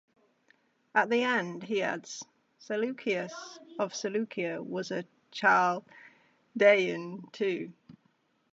At the end he adds: Seleukios of Seleukia was a Chaldaean too.